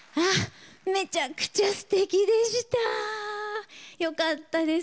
めちゃくちゃすてきでした。よかったです。